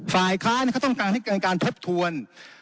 ฝ่ายค้าเขาต้องการให้เกินการทบทวน